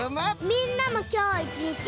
みんなもきょういちにち。